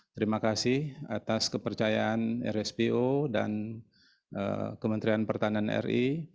terima kasih atas kepercayaan rspo dan kementerian pertanian ri